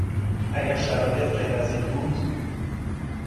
اگر شرایط غیر از این بود